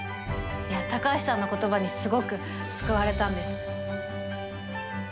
いや高橋さんの言葉にすごく救われたんです。